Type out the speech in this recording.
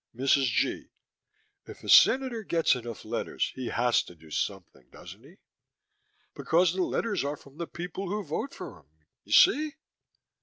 MRS. G.: If a Senator gets enough letters, he has to do something, doesn't he? Because the letters are from the people who vote for him, you see?